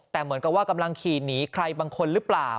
แต่เหมือนกับว่ากำลังขี่หนีใครบางคนหรือเปล่า